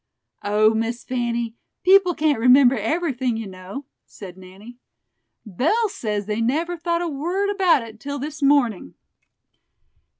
"Oh! Miss Fanny, people can't remember everything, you know," said Nanny; "Belle says they never thought a word about it till this morning."